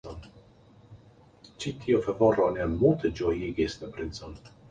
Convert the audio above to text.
Ĉi tiu favoro ne multe ĝojigis la princon.